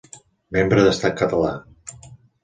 Membre d'Estat Català.